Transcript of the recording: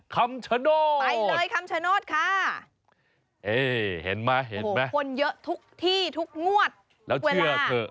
คำชโนตไปเลยคำชโนตค่ะโอ้โหคนเยอะทุกที่ทุกงวดทุกเวลาแล้วเชื่อเผลอ